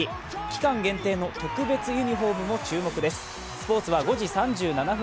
期間限定の特別ユニフォームも注目です。